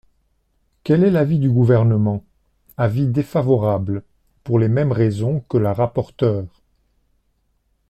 Quel est l’avis du Gouvernement ? Avis défavorable, pour les mêmes raisons que la rapporteure.